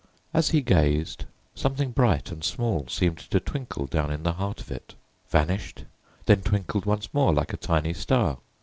As he gazed, something bright and small seemed to twinkle down in the heart of it, vanished, then twinkled once more like a tiny star.